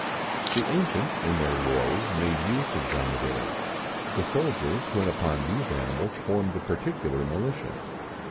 The ancients, in their wars, made use of dromedaries. The soldiers when upon these animals formed a particular militia.